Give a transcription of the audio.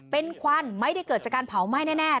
เป็นควันไม่ได้เกิดจากการเผาไหม้แน่